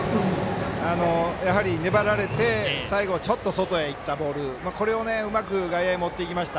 やはり粘られて最後、ちょっと外へいったボール外野へ持っていきました。